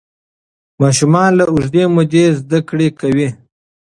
ماشومان له اوږدې مودې زده کړه کوي.